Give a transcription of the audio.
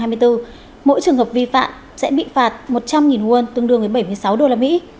mỗi trường hợp vi phạm sẽ bị phạt một trăm linh won tương đương với bảy mươi sáu đô la mỹ